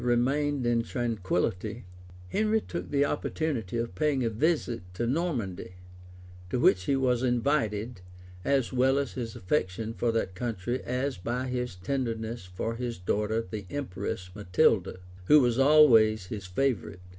} As every thing in England remained in tranquillity, Henry took the opportunity of paying a visit to Normandy, to which he was invited, as well by his affection for that country as by his tenderness for his daughter the empress Matilda, who was always his favorite.